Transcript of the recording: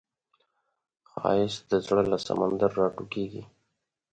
ښایست د زړه له سمندر راټوکېږي